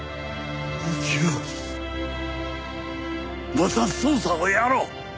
また捜査をやろう！